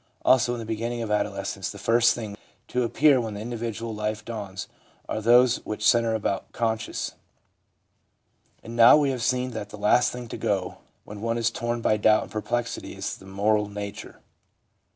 Also in the beginning of adolescence the first things to appear when the individual life dawns are those things which centre about conscience. And now we have seen that the last thing to go when one is torn by doubt and perplexity is the moral nature.